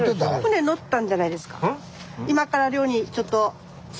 船乗ったんじゃないですか？